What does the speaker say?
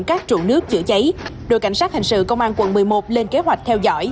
các trụ nước chữa cháy đội cảnh sát hình sự công an quận một mươi một lên kế hoạch theo dõi